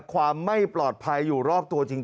ความไม่ปลอดภัยอยู่รอบตัวจริง